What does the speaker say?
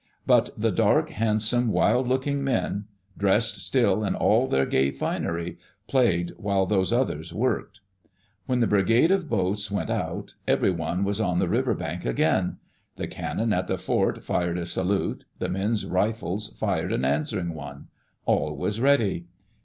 But the dark, handsome, wild looking men, dressed still in all their gay finery, played while these others worked. When the Brigade of Boats went out, everyone was on the river bank again. The cannon at the fort fired a salute. The men's rifles fired an answering one. All was ready.